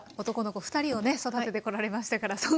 男の子２人をね育ててこられましたから。